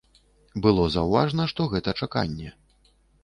Было заўважна, што гэта чаканне.